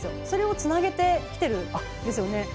それをつなげてきているんですね。